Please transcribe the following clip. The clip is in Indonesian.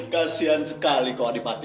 kasian sekali kau adipati